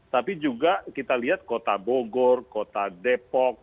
tapi juga kita lihat kota bogor kota depok